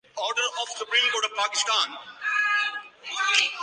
میں نے book shop میں کئی گھنٹے کتابوں کی ورق گردانی میں صرف کئے